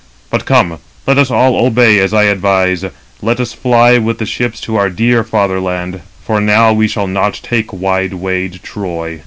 But come, let us all obey as I advise: let us fly with the ships to our dear fatherland, for now we shall not take wide wayed Troy."